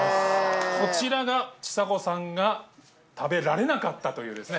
こちらがちさ子さんが食べられなかったというですね。